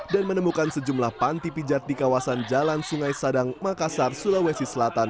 dan menemukan sejumlah panti pijat di kawasan jalan sungai sadang makassar sulawesi selatan